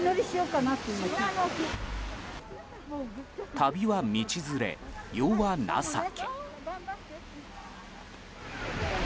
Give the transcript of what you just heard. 旅は道連れ、世は情け。